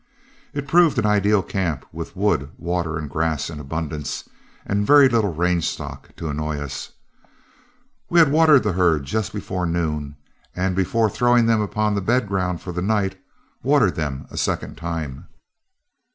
It proved an ideal camp, with wood, water, and grass in abundance, and very little range stock to annoy us. We had watered the herd just before noon, and before throwing them upon the bed ground for the night, watered them a second time.